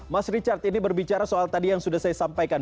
mas richard ini berbicara soal tadi yang sudah saya sampaikan